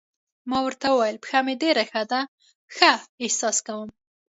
ما ورته وویل: پښه مې ډېره ښه ده، ښه احساس کوم.